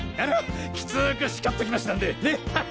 キツく叱っときましたんでねっハハ！